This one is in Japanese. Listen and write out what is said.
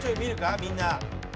みんな。